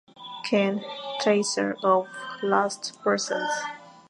Keen, Tracer of Lost Persons".